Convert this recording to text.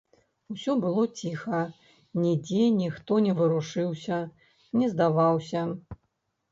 Усё было ціха, нідзе ніхто не варушыўся, не здаваўся.